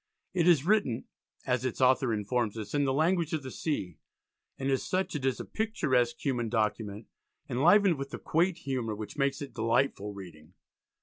It is written, as its author informs us, in "the language of the sea," and as such it is a picturesque human document, enlivened with a quaint humour which makes it delightful reading.